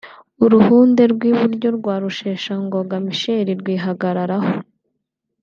uruhunde rw’iburyo rwa Rusheshangoga Michel rwihagararaho